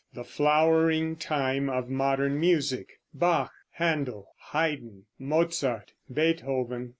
THE Flowering Time of Modern Music. BACH, HÄNDEL, HAYDN, MOZART, BEETHOVEN.